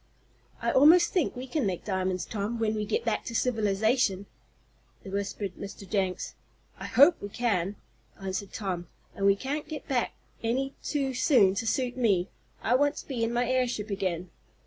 "I almost think we can make diamonds, Tom, when we get back to civilization," whispered Mr. Jenks. "I hope we can," answered Tom, "and we can't get back any too soon to suit me. I want to be in my airship again."